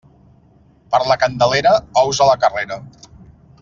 Per la Candelera, ous a la carrera.